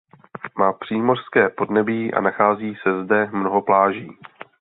Má přímořské podnebí a nachází se zde mnoho pláží.